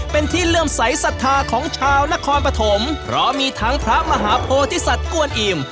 เป็นที่เลื่อมใสสัทธาของชาวนครปฐมเพราะมีทั้งพระมหาโพธิสัตว์กวนอิ่ม